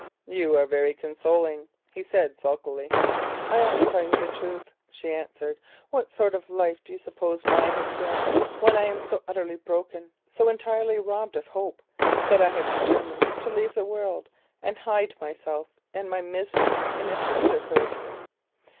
"You are very consoling," he said sulkily. "I only tell you the truth," she answered. "What sort of life do you suppose mine has been when I am so utterly broken, so entirely robbed of hope, that I have determined to leave the world and hide myself and my shame in a sisterhood?